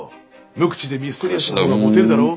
無口でミステリアスな方がモテるだろ。